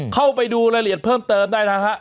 เข้าไปดูรายละเอียดเพิ่มเติมได้นะฮะ